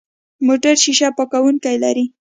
موټر شیشه پاکونکي لري.